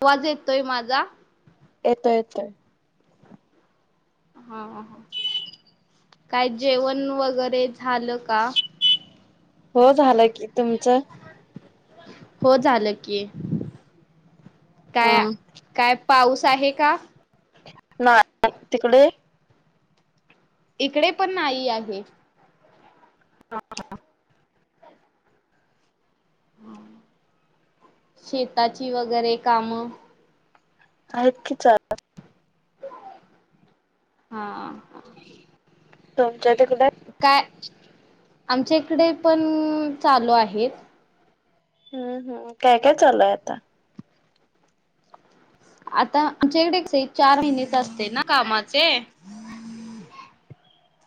आवाज येतोय माझा. [unintelligible] हा काय जेवण वगैरे झालं का? हो झालं की तुमचं. हो झालं की हा. काय काय पाऊस आहे. का ना तिकडे इकडे पण नाही आहे. शेताची वगैरे काम. आहेत की चालू. हा हा तुमच्या तिकडे आमच्या इकडे पण चालू आहेत. हम्म हम्म काय काय चालूय आता. आता आमच्या इकडे चार महिन्याच असते ना कामाचे.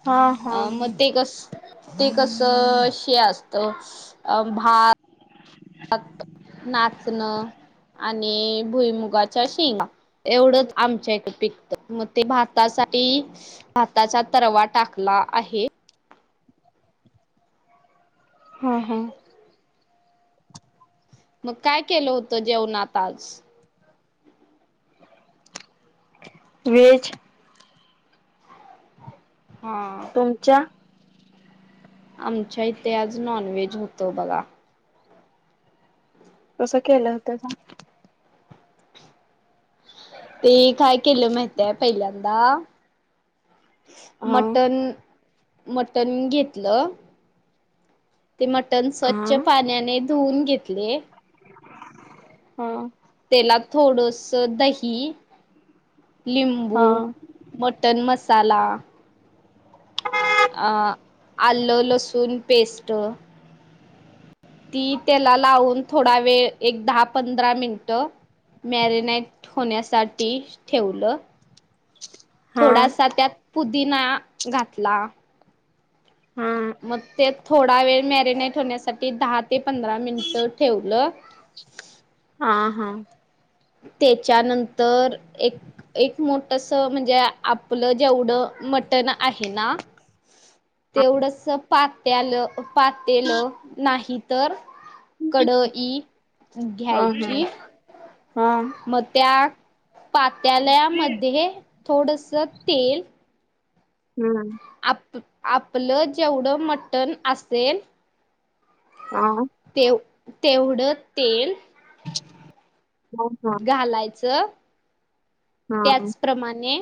हा हा अ मग ते कस ते कस श असत अ भात. नाचण आणि आणि भुईमुगाच्या शेंगा एवढंच आमच्या इकडे पिकत मग ते भातासाठी हाताचा तरवा टाकला आहे. हा हा मग काय केलं होतं जेवणात आज वेच हा तुमच्या आमच्या इथे आज नॉन व्हेज होत बघा. तसं केलं होत का? ते काय केलं माहितय पहिल्यांदा सांग मटण मटण घेतलं. ते मटण स्वच्छ हा पाण्याने धुवून घेतले. ह त्याला थोडस दही लिंबू, हा. मटन मसाला अ आलं लसूण पेस्ट ती त्याला लावून थोडा वेळ एक दहा पंधरा मिनिट मॅरिनेट होण्यासाठी ठेवलं. हा थोडासा त्यात पुदीना घातला. हा हा मग ते थोडा वेळ मॅरिनेट होण्यासाठी दहा ते पंधरा मिनिट ठेवलं. हा. हा. तेच्यानंतर एक, एक मोठस म्हणजे आपलं जेवढं मटण आहे ना [unintelligible] [inaudible] तेवढस पात्याल पातेलं नाही तर कडई हा हा. घ्यायची, हा मग त्या पात्यालयामध्ये थोडस तेल हम्म. आपलं जेवढं मटण असेल हा तेव तेवढं तेल [unintelligible] [inaudible] हा घालायचं. हा त्याचप्रमाणे,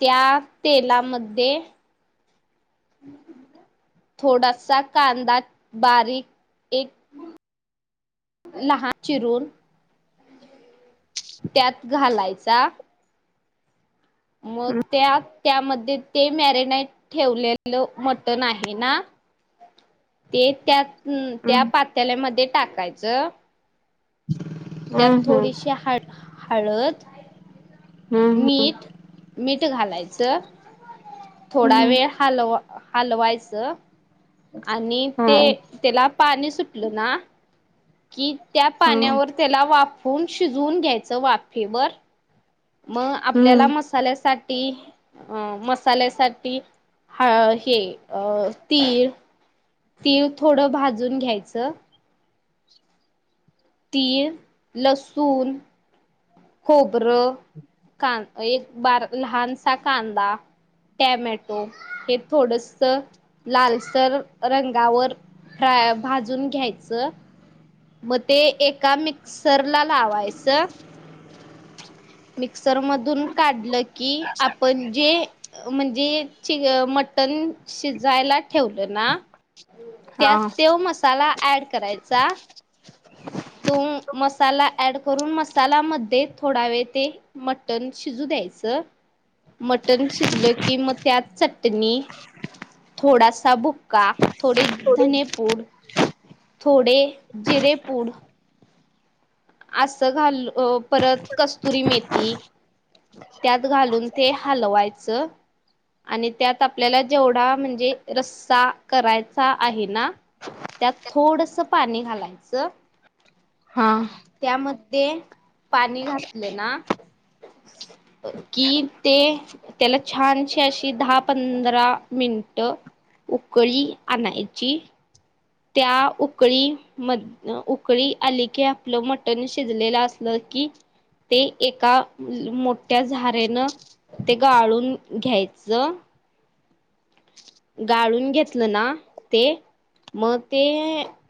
त्या तेलामध्ये [unintelligible] [inaudible] थोडासा कांदा बारीक एक लहान चिरून त्यात घालायचा. मग हम्म. त्यात त्यामध्ये ते मॅरिनेट ठेवलेलं मटण आहे ना ते त्या त्या पात्याल्यामध्ये टाकायचं. त्यात हम्म हम्म. थोडीशी हा हाळद हम्म मीठ, मीठ घालायचं. थोडा हम्म वेळ हालव हलवायचं, आणि हम्म हा ते तेला पाणी सुटलं ना कि त्या हा पाण्यावर त्याला वाफून शिजवून घ्यायचं वाफे वर. मग आपल्याला हम्म मसाल्यासाठी अ मसाल्यासाठी हा. हे, अ तिळ तीळ थोडं भाजून घ्यायचं. तीळ, लसूण खोबरं, कांदे, एक बार लहानसा कांदा टॅमॅटो हे थोडस लालसर रंगावर फ्राय भाजून घ्यायच. मग ते एका मिक्सर ला लावायचं. मिक्सर मधून काढलं की आपण जे म्हण जे मटण शिजायला ठेवलं ना हा त्यात त्यो मसाला ऍड करायचा. ह [inaudible] तो मसाला ऍड करून, मसाला मध्ये थोडा वेळ ते मटण शिजू दया घ्यायचं मटण शिजलं की मग त्यात चटणी थोडासा बुक्का. थोडे धने पूड, थोडे जिरे पूड. असं घाल परत कस्तुरी मेथी त्यात घालून ते हलवायचं. आणि त्यात आपल्याला जेवढा म्हणजे रस्सा करायचा आहे ना त्यात थोडसं पाणी घालायचं हा त्यामध्ये पाणी घातलं ना की ते त्याला छानशी अशी दहा पंधरा मि मिनिटं उकळी आणायची त्या उकळी म उकळी आली की आपलं मटण शिजलेलं असलं कि ते एका मोठ्या झारेनं ते गाळून घ्यायचं. गाळून घेतलं ना ते मग ते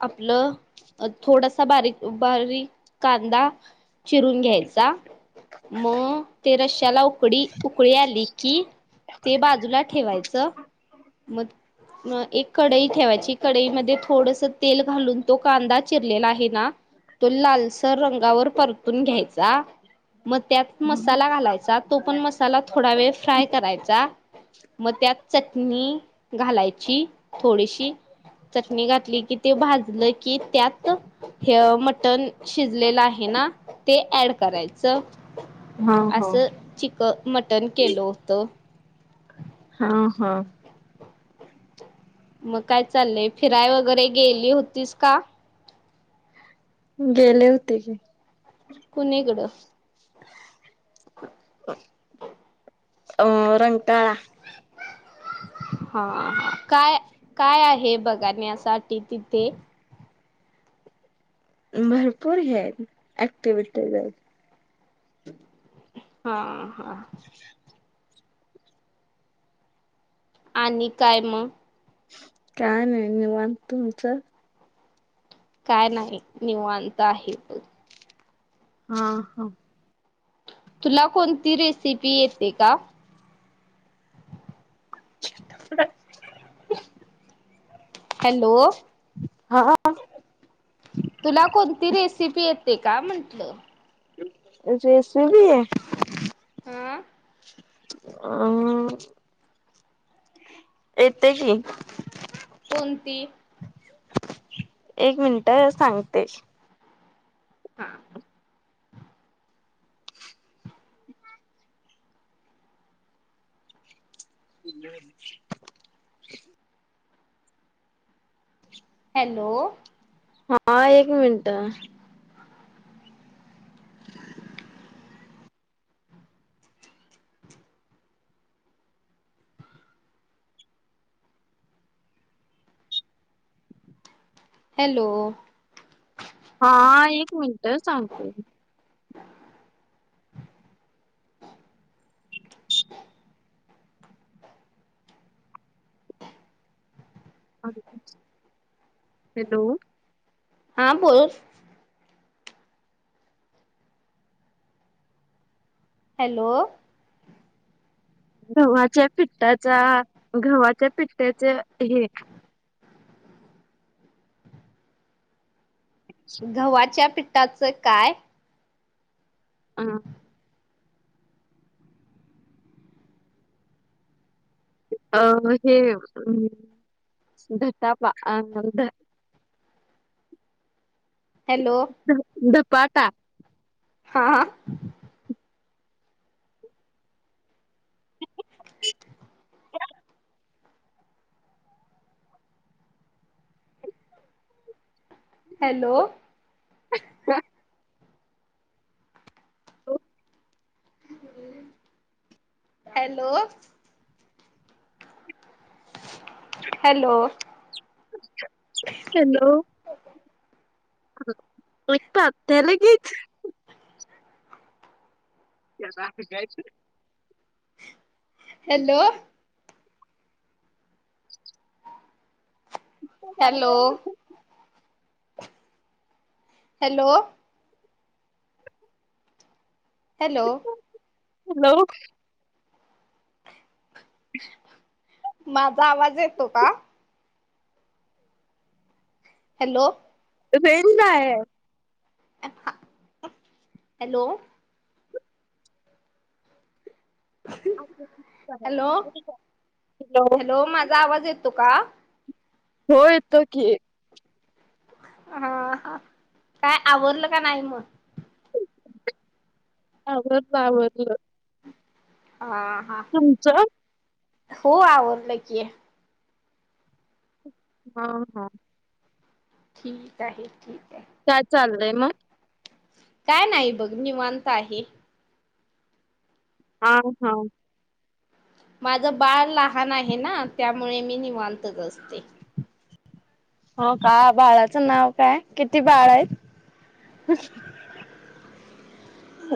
आपलं अ थोडासा बारीक बारीक कांदा चिरून घ्यायचा. म ते रश्याला उकडी उकळी आली की ते बाजूला ठेवायचं म म एक कडई ठेवायची कडईमध्ये थोडस तेल घालून तो कांदा चिरलेला आहे ना तो लालसर रंगावर परतून घ्यायचा. मग त्यात मसाला घालायचा. तो पण मसाला थोडा वेळ फ्राय करायचा. मग त्यात चटणी घालायची थोडीशी चटणी घातली की ते भाजलं की त्यात हे मटण शिजलेलं आहे. ना ते ऍड करायचं. हा हो. असं चिक मटण केलं होतं. हा हा मग काय चाललंय फिराय वगैरे गेली होतीस का? गेले होते की, कुणीकडं? अ रंटाळा [inaudible] हा काय काय आहे बगाण्यासाठी तिथे भरपूर हे हायत ऍक्टिव्हटीज आहेत. हा हा आणि काय म काय नाय निवांत तुमचं? काय नाही निवांत आहे बघ हा हा तुला कोणती रेसिपी येते का? [inaudible] हॅलो हा हा हा काय म्हंटलं? जैसे भी ये हा अ येते की, कोणती? एक मिनिटं सांगते. हा [inaudible] हॅलो हा एक मिनटं [inaudible] हॅलो. हा एक मिनट सांगते. हॅलो. हा बोल. हॅलो. गव्हाच्या पिठठाचा ग्हाच्या पिठ्टाच हे. गव्हाच्या पिठाचं काय? हा. अं हे अम धटापा अं हॅलो. पाटा. हा हा. हॅलो. हॅलो. हॅलो. हॅलो. मप तेलागच कायच. Hello. Hello. Hello. [inaudible] Hello hello. [inaudible] माझा आवाज येतो का? हॅलो. फे का आहे. हॅलो. हॅलो हॅलो माझा आवाज येत तो का? हो येतो की हा ह काय आवडलं का नाही मग आवडलं आवडलं. हा हा हो आवडलं कीय हा हा. ठीक आहे ठीक आहे. काय चाललंय मग काय नाही बघ निवांत आहे. हा हा. माझं बाळ लहान आहे ना त्यामुळे मी निवांतच असते. हो का बाळाचं नाव काय किती बाळ आहेत. अच्